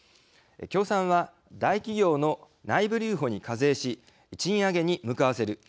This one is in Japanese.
共産は大企業の内部留保に課税し賃上げに向かわせる。